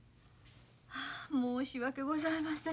申し訳ございません。